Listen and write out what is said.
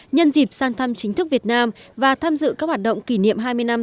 nhân dịp sang thăm chính thức việt nam và tham dự các hoạt động kỷ niệm hai mươi năm